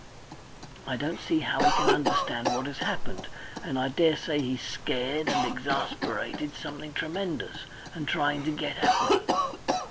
I don't see how he can understand what has happened, and I daresay he's scared and exasperated something tremendous, and trying to get at me.